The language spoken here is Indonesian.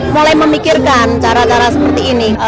mulai memikirkan cara cara seperti ini